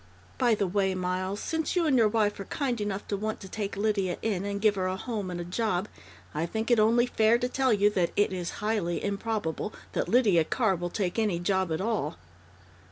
By the way, Miles, since you and your wife are kind enough to want to take Lydia in and give her a home and a job, I think it only fair to tell you that it is highly improbable that Lydia Carr will take any job at all."